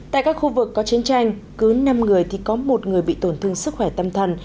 tại các khu vực có chiến tranh cứ năm người thì có một người bị tổn thương sức khỏe tâm thần